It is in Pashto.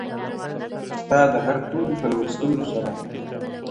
• ستا دهر توري په لوستلو سره.